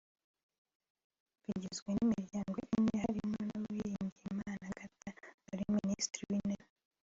bagizwe n’imiryango ine harimo na Uwiringiyimana Agathe wari Minisitiri w’Intebe